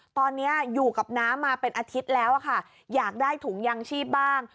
ตอนนี้อยู่กับน้ำมาเป็นอาทิตย์แล้วค่ะอยากได้ถุงยางชีพบ้าง